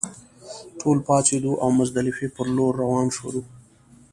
ټول پاڅېدو او مزدلفې پر لور روان شوو.